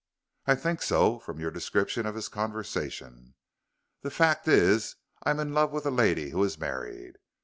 "I think so, from your description of his conversation. The fact is I'm in love with a lady who is married.